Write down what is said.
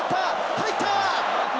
入った。